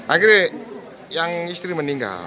akhirnya yang istri meninggal